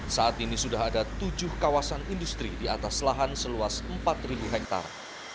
saat ini sudah ada tujuh kawasan industri di atas lahan seluas empat hektare